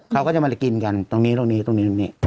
เขาก็จะมากินกันตรงนี้ตรงนี้ตรงนี้